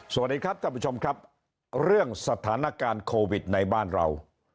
สวัสดีครับท่านผู้ชมครับเรื่องสถานการณ์โควิดในบ้านเรา